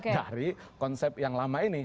dari konsep yang lama ini